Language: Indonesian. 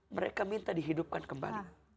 mereka minta dihidupkan kembali